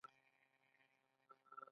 ایا زه اوس اوبه څښلی شم؟